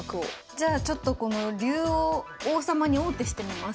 じゃあちょっとこの竜を王様に王手してみます。